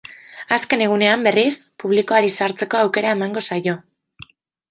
Azken egunean, berriz, publikoari sartzeko aukera emango zaio.